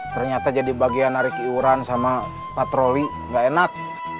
ternyata jadi bagian narik iuran sama patroli gak enak